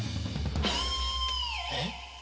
えっ？